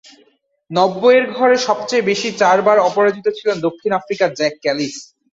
নব্বইয়ের ঘরে সবচেয়ে বেশি চারবার অপরাজিত ছিলেন দক্ষিণ আফ্রিকার জ্যাক ক্যালিস।